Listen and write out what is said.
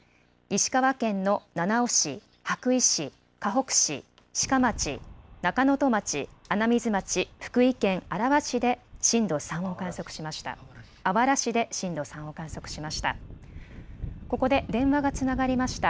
石川県の七尾市、羽咋市、かほく市、志賀町、中能登町、穴水町、福井県あらわ市で震度３を観測しました。